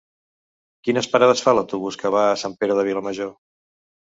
Quines parades fa l'autobús que va a Sant Pere de Vilamajor?